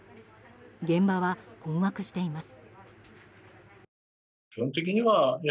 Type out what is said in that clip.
現場は困惑しています。